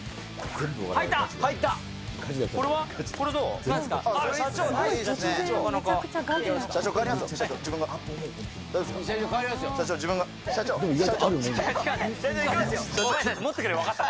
入った！